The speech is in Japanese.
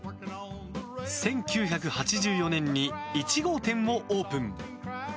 １９８４年に１号店をオープン。